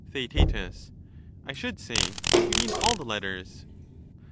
Theaet, I should say that we mean all the letters.